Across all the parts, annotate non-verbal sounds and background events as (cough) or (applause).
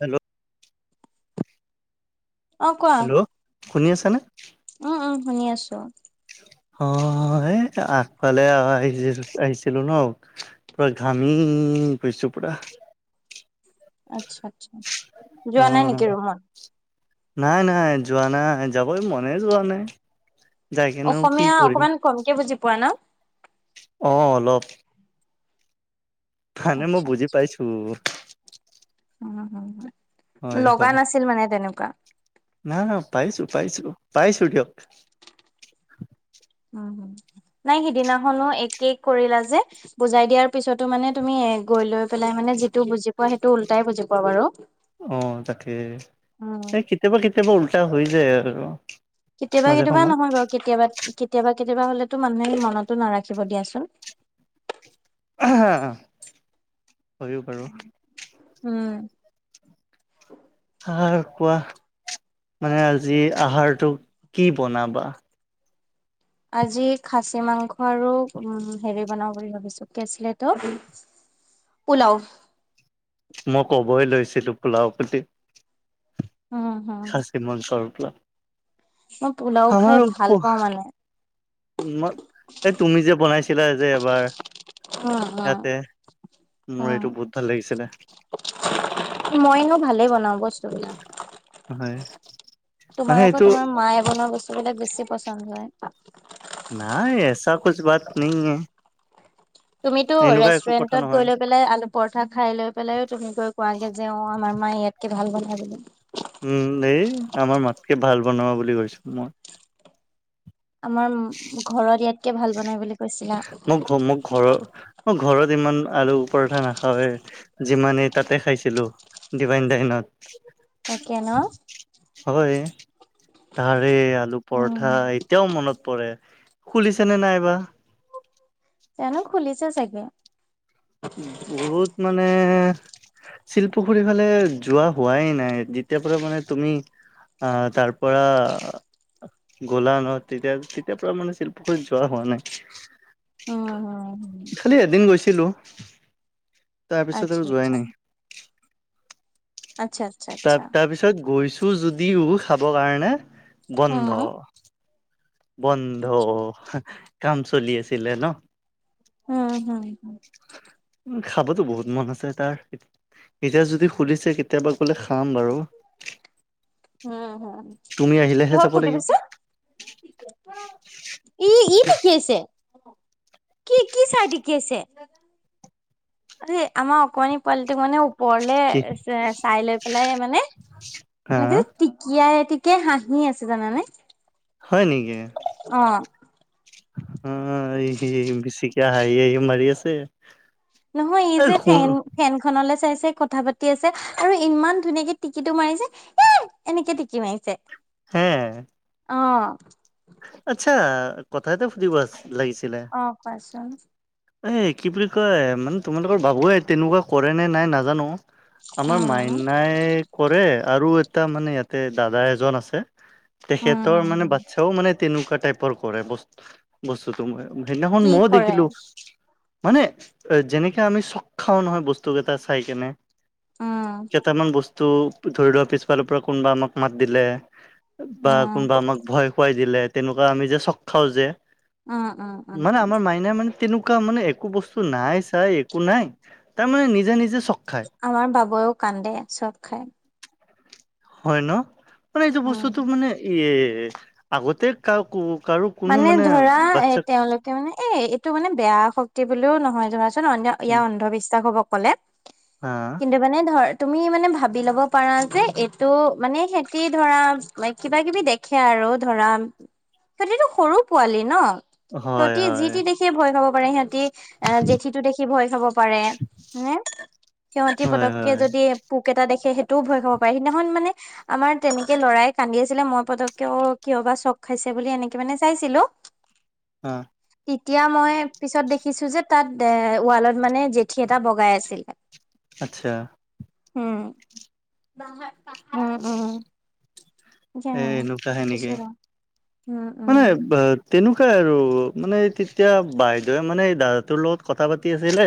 Hello অ কোৱা? Hello শুনি আছানে? উম উম শুনি আছো। অ এ আগফালে আহ আহি আহিছিলো ন। পুৰা ঘামি গৈছো পুৰা। আচ্ছা আচ্ছা অ যোৱা নাই নেকি ৰুমত নাই নাই যোৱা নাই যাবই মনে যোৱা নাই। যাই কিনেও কি অসমীয়া কৰিম অকমান কমকে বুজি পোৱা ন। অ অলপ ফানে মই আচ্ছা বুজি পাইছো। অ অ হয় লগা হয় নাছিল মানে তেনেকুৱা না পাইছো পাইছো পাইছো দিয়ক। উম নাই সিদিনাখনো একে কৰিলা যে বুজাই দিয়াৰ পিছতো মানে তুমি গৈ লৈ পেলাই মানে যিটো বুজি পোৱা সেইটো উলটাই বুজি পোৱা বাৰু। অ তাকে উম এই কেতিয়াবা কেতিয়াবা উল্টা হৈ যায় আৰু। কেতিয়াবা মাজে কেতিয়াবা সময়ত নহয় বাৰু কেতিয়াবা কেতিয়াবা কেতিয়াবা হলেতো মানুহে মনতো নাৰাখিব দিয়াচোন। হয়ো বাৰু। উম। আহাৰ কোৱা মানে আজি আহাৰটো কি বনাবা? আজি খাচী মাংস আৰু উ হেৰি বনাওঁ বুলি ভাবিছো কি আছিল এটো। পোলাও মই ক'বই লৈছিলো পোলাও বুলি। উম হুম সিমনচৰ পেলা মই পোলাও খাই ভাল পাওঁ মানে। মই, এই তুমি যে বনাইছিলা যে এবাৰ উম উম ইয়াতে মোৰ উম এইটো বহুত ভাল লাগিছিলে। মই নো ভালে বনাও বস্ হয় মানে তোমাৰ আকৌ এইটো তোমাৰ মায়ে বনোৱা বস্তু সেইবিলাক বেছি পচন্দ হয়। নাই এছা কোছ বাত নাই‌য়ে তুমিটো কথা ৰেষ্টুৰেন্টত গৈ নহয় লৈ পেলাই আলু পৰঠা খাই লৈ পেলাই তুমি কৈ কোৱাগে যে অ আমাৰ মায়ে ইয়াতকে ভাল বনাই বুলি উম এই আমাৰ মাতকে ভাল বনোৱা বুলি কৈছো মই। আমাৰ ঘৰত ইয়াতকে ভাল বনাই বুলি কৈছিলা। মোক ঘ মোক ঘৰৰ অ ঘৰত ইমান আলু পৰঠা নাখাওৱে। যিমানেই তাতে খাইছিলো ডিভাইন ডাইনত তাকে ন হয় তাৰে আলু উম পৰঠা এতিয়াও মনত পৰে খুলিছে নে বা। জানো খুলিছে চাগে। বহুত মানে শিলপুখুৰীৰ ফালে যোৱা হোৱাই নাই যেতিয়াৰ পৰা মানে তুমি তাৰ পৰা গলা ন তেতিয়া তেতিয়াৰ পৰা মানে শিলপুখুৰীত যোৱা হোৱা নাই। উম হম খালি এদিন গৈছিলো তাৰপিছত আচ্ছা আৰু যোৱাই আচ্ছা নাই। আত্চ্ছা তাৰ তাৰ পিছত গৈছো যদিও খাব কাৰণে আচ্ছা হম বন্ধ। বন্ধ আচ্ছা কাম চলি আছিলে ন। উম হুম। খাবতো বহুত মন আছে তাৰ। এতিয়া যদি খুলিছে কেতিয়াবা গ'লে খাম বাৰু। উম হম তুমি আহিলেহে কিহৰ যাব ফুৰ্তি লাগিব পিছে ই ই দেখি আহিছে কি কি চাই দেখি আকিয়াছে এই আমাৰ অকমানি পোৱালিটোক মানে ওক ওপৰলে কি চাই লৈ পেলাই মানে হা এনেকে টিকিয়াই টিকিয়াই হাঁহি আছে জানানে। হয় নেকি? অহ অ বেচিকে হাঁহি হাঁহি মাৰি আছে। নহয় এই ইজে শুন ঠেন ফেনখনলৈ চাই চাই কথা পাতি আছে আৰু ইমান ধুনীয়াকে টিকিতো মাৰিছে। এনেকে টিকি মাৰিছে। হে। অ। আচ্ছা কথা এটা সুধিব লাগিছিলে। অ কোৱাচোন? এই কি বুলি কয় মানে তোমালোকৰ বাবুৱে তেনেকুৱা কৰেনে নাই নাজানো। আমাৰ উম উম মাইনাইক কৰে আৰু এটা মানে ইয়াতে দাদা এজন আছে হম তেখেতৰ মানে হম বাচ্ছ- তৌ মানে তেনেকুৱা টাইপৰ কৰে বস্ত-, বস্তুটো মই কি সেইদিনাখন মইও কৰে দেখিলোঁ। মানে যেনেকে আমি চখ খাও নহয় বস্তুকেইটা চাই কেনে। উম কেইটামান বস্তু ধৰি লোৱা পিছফালৰ পৰা কোনোবা আমাক মাত দিলে। বা উম কোনোবা আমাক ভয় খুৱাই দিলে তেনেকুৱা আমি যে চক খাও যে। উম উম উম মানে উম আমাৰ মাইনা মানে তেনেকুৱা মানে একো বস্তু নাই চাই একো নাই তাৰ মানে নিজে নিজে চখ খাই। আমাৰ বাবুৱেও কান্দে চখ খাই। হয় ন মানে এইটো উম বস্তুটো মানে এ আগতে কা কাৰো মানে ধৰা এ বাচ্ছাক তেওঁলোক মানে এ এইটো মানে বেয়া শক্তি বুলিও নহয় জনাচোন ইয়াৰ অন্ধবিশ্বাস হব ক'লে। অহ। কিন্তু মানে ধৰ তুমি মানে ভাবি ল'ব পাৰা যে এইটো মানে সেহতি ধৰা কিবা কিবি দেখ খে আৰু ধৰা সিহঁতিটো সৰু পোৱালি ন? হয় সিহতি যি হয় টি দেখিয ভয় খাব পাৰে। সিহতি এ জেঠীটো দেখি ভয় খাব পাৰে, হয়নে? সিহতি হয় পটককে হয় যদি পোক এটা দেখে সেইটোও ভয় খাব পাৰে সিদিনাখন মানে আমাৰ তেনেকে লৰাই কান্দি আছিলে মই পতককেও কিয় বা চখ খাইছে বুলি এনে মানে চাইছিলো অ। তেতিয়া মই পিছত দেখিছো যে তাত এ ৱালত মানে জেঠী এটা বগাই আছিলে। আটছা। উম, (unintelligible) উম, উম। যা এ এনেকুৱাহে পিছে নেকি? ৰ উম, উম, মানে বা তেনেকুৱাই আৰু মানে তেতিয়া বাইদেউৱে মানে এই দাদাটোৰ লগত কথা পাতি আছিলে।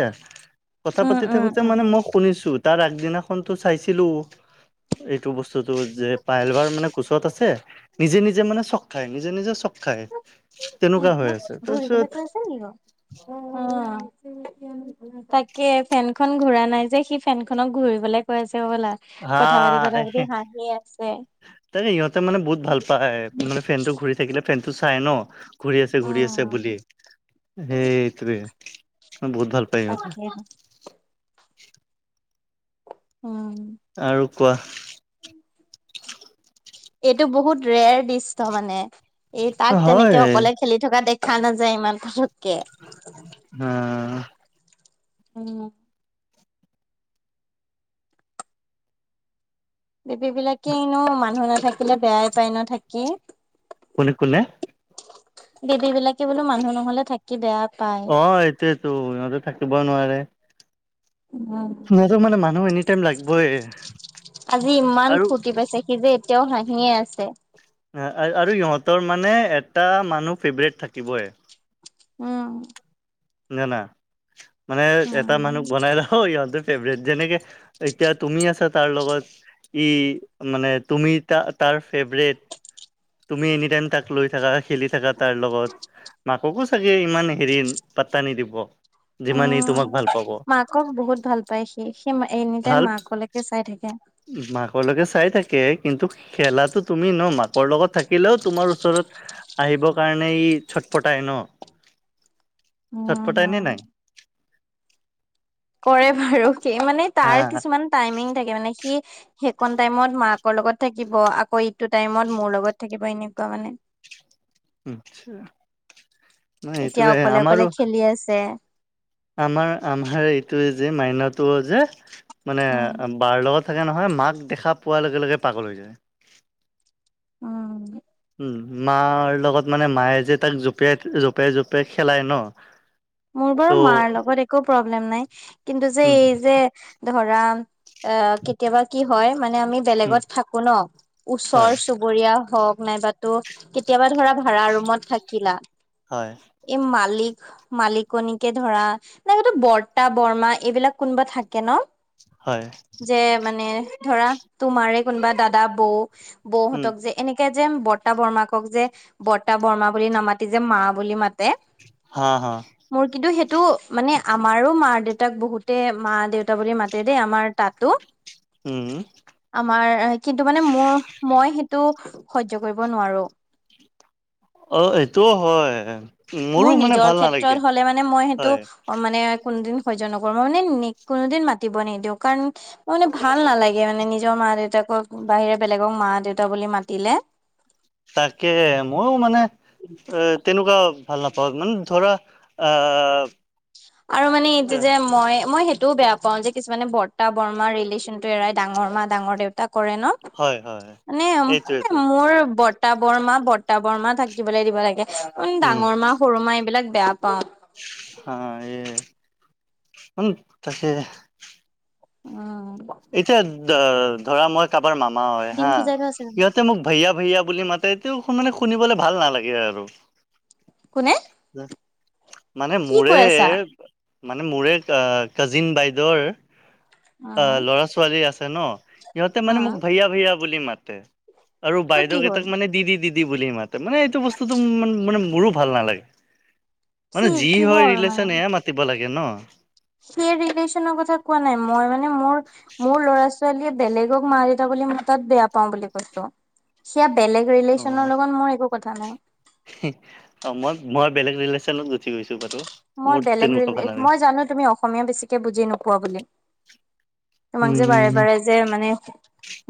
কথা উম, পাতি উম, থাকোতে উম, মানে মই শু শুনিছো তাৰ আগদিনাখনতো চাইছিলো এইটো বস্তুতো যে পাইলবাৰ মানে কৈ চত আছে। নিজে নিজে মানে চক খায়। নিজে নিজে চক খায়। তেনেকুৱা হৈ ফেনখনক আছে। ঘূৰিবলৈ তাৰপিছত কৈ আছে নেকি বাৰু? তাকে ফেনখন ঘুৰা নাই যে, সি ফেন খনক ঘূৰিবলে কৈ আছে হ'বলা। কথা পাতি কথা পাতি হাঁহি আছে। তে ইহঁতে মানে বহুত ভাল পায়। মানে ফেনটো ঘূৰি থাকিলে ফেনটো চাই ন। ঘূৰি আছে ঘূৰি আছে বুলি উম, সেইটোৱে, বহুত ভাল পায় ইহঁতে। তাকে অ। আৰু কোৱা। এইটো বহুত ৰেয়াৰ দৃশ্য মানে। এই তাক তেনেকে হয় অকলে খেলি থকা দেখা নাযায় ইমান পটককে। হ। উম। বেবীবিলাকে এনেও মানুহ নাথাকিলে বেয়াই পায় ন থাকি? কোনে কোনে? বেবীবিলাকে বোলো মানুহ নহলে থাকি বেয়া পায়। অ, এইটোৱেটো সিহঁতে থাকিব নোৱাৰে। উম। সিহঁতক মানে মানুহ এনি টাইম লাগবই আজি ইমান আৰু ফূৰ্তি পাইছে সি যে এতিয়াও হাঁহিয়ে আছে। আ-আ-আৰু ইহঁতৰ মানে এটা মানুহ ফেভৰেট থাকিবই। অ। না না মানে এটা মানুহ উম, বনাই ৰা হয় ইহঁতৰ ফেভৰেট যেনেকে এতিয়া তুমি আছা তাৰ লগত। ই মানে তুমি তা-তাৰ ফেভৰেট। তুমি এনি টাইম তাক লৈ থাকা, খেলি থাকা তাৰ লগত। মাককো চাগে ইমান হেৰি পাত্তা নিদিব। যিমান ই তোমাক ভাল পাব। আকৌ বহুত ভাল পায় সি। সি এনি টাইম ভাল মাকলৈকে চাই থাকে। মাকলৈকে চাই থাকে কিন্তু খেলাটো তুমি ন? মাকৰ লগত থাকিলেও তোমাৰ ওচৰত আহিব কাৰণে ই চটপটাই ন? অ, চটপটাই হ। নে নাই কৰে বাৰু সি। মানে তাৰ কিছুমান টাইমিং থাকে মানে সি সেইকণ টাইমত মাকৰ লগত থাকিব, আকৌ ইটো টাইমত মোৰ লগত থাকিব এনেকুৱা মানে। (inaudible) মানে এইটোৱে, আমাৰো চলি আছে। আমাৰ আমাৰ এইটোৱে যে মাইনাটো যে মানে উম, বাৰ লগত থাকে নহয় মাক দেখা পোৱাৰ লগে লগে পাগল হৈ যায়। উম। উম, মাৰ লগত মানে মায়ে যে তাক জপিয়াই, জপিয়াই জপিয়াই খেলাই ন। মোৰ ত' বাৰু মাৰ লগত একো প্ৰব্লেম নাই। কিন্তু যে উম, এই যে ধৰা আ কি কেতিয়াবা কি হয় মানে আমি উম, বেলেগত থাকো ন হয়, ওচৰ চু বুৰীয়া হওক নাইবাতো কেতিয়াবা ধৰা ভাড়া ৰুমত থাকিলা। হয়। এই মালিক মালিকনীকে ধৰা নাইতো বৰ্তা বৰ্মা এইবিলাক কোনোবা থাকে ন। হয়। যে মানে ধৰা তোমাৰে কোনোবা দাদা বৌ- উম, বৌহঁতক যে এনেকে যে বৰতা বৰ্মাকক যে বৰ্তা বৰ্মা বুলি নামাতি যে মা বুলি মাতে। হা হা। মোৰ কিন্তু সেইটো মানে আমাৰো মা দেউতাক বহুতে মা দেউতা বুলি মাতে দেই আমাৰ তাতো উম। আমাৰ কিন্তু মানে মোৰ মই সেইটো সহ্য কৰিব নোৱাৰো। অ এইটোও হয়। মোৰো মোৰ মানে নিজৰ ভাল নালাগে ক্ষেত্ৰত হলে মানে মই সেইটো হয়। অ মানে কোনোদিন সহ্য নকৰো, মই মানে কোনোদিন মাতিব নিদিও কাৰণ মানে ভাল নালাগে মানে নিজৰ মা দেউতাকক বাহিৰে বেলেগক মা দেউতা বুলি মাতিলে। তাকে মইও মানে এ তেনেকোৱা ভাল নাপাও মানে ধৰা আহ আৰু মানে এতিয়া যে মই মই সেইটোও বেয়া কওঁ যে কিছুমানে বৰ্তা বৰমা ৰিলেশ্যন টো এৰাই ডাঙৰ মা ডাঙৰ দেউতা কৰে ন। হয়, হয়, মানে এ এইটোৱেটো মোৰ ব ৰ্তা বৰমা বৰ্তা বৰমা থাকিবলে দিব লাগে, উ উম। ডাঙৰ মা সৰু মা এইবিলাক বেয়া পাও। হা এই উ তাকে উম। এতিয়া ধ ধৰা মই কাবাৰ মামা হয় ডিম হা, সিজাই থোৱা আছে সিহঁ তে মোক ভাইয়া ভাইয়া বুলি মাতে তে মানে শুনিবলে ভাল নালাগে আৰু। কোনে? উ মানে কি মোৰে কৈ আছা মানে মোৰে কা কাজিন বাইদেউৰ অ। আহ ল'ৰা ছোৱালী আছে ন সিহঁতে মানে মোক ভাইয়া ভাইয়া বুলি মাতে। আৰু তোৰ কি বাইদেউ হ'ল? কেইটাক মানে দিদি দিদি বুলি মাতে মানে এইটো বস্তুতো মানে মোৰো ভাল নালাগে। কি মানে যি হয় কিহৰ মানে ৰিলেশ্যন এয়াই মাতিব লাগে ন। সেই ৰিলেশ্যনৰ কথা কোৱা নাই মই মানে মোৰ মোৰ ল'ৰা ছোৱালীয়ে বেলেগক মা দেউতা বুলি মতাত বেয়া পাও বুলি কৈছো, সেয়া বেলেগ ৰিলেশচনৰ লগত মোৰ একো কথা নাই। হে অ মই মই বেলেগ ৰিলেশ্যনত গুচি গৈছো বাৰু। মই মোৰ বেলেগ তেনেকুৱা ভাল ৰিলে নালাগে মই জানো তুমি অসমীয়া বেছিকে বুজি নোপোৱা বুলি। উম, তোমাক যে উম, বাৰে উম। বাৰে যে মানে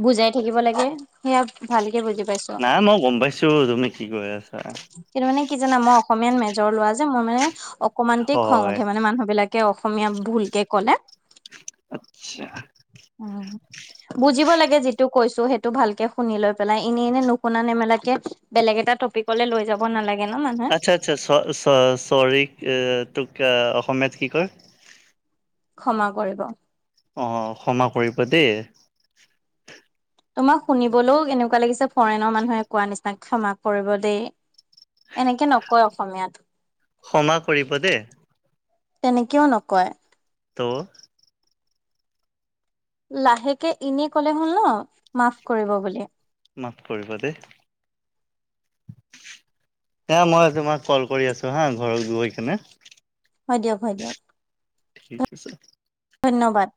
বুজাই থাকিব লাগে সেয়া ভালকে বুজি পাইছো। নাই মই গম পাইছো তুমি কি কৈ আছা। কিন্তু মানে কি জানা মই অসমীয়াত মেজৰ লোৱা যে মই মানে অকমানতে খং হয়। উঠে মানে, মানুহ বিলা- কে অসমীয়া ভুলকে কলে উম বুজিব লাগে যিটো কৈছো সেইটো ভালকে শুনি লৈ পেলাই, এনেই এনেই নুশুনা নেমেলাকে বেলেগ এটা টপিকলে লৈ যাব নালাগে ন মানুহে। আচ্ছা, আচ্ছা চ চৰি তোক অসমীয়াত কি কয়? ক্ষমা কৰিব। অ ক্ষমা কৰিব দেই। তোমাক শুনিবলেও এনেকুৱা লাগিছে, ফৰেনৰ মানুহে কোৱা নিচিনা ক্ষমা কৰিব দেই। এনেকে নকয় অসমীয়াত। ক্ষমা কৰিব দেই। তেনেকেও নকয়। ত লাহেকে এনে ক'লে হল ন, মাফ কৰিব বুলি। মাফ কৰিব দেই। এ মই তোমাক কল কৰি আছো হা, ঘৰত গৈ কিনে। হয় দিয়ক, হয় দিয়ক। ঠিক আছে। ধন্যবাদ।